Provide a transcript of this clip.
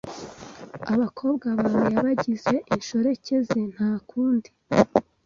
Abakobwa bawe yabagize inshoreke ze nta kundi